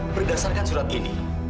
berdasarkan surat ini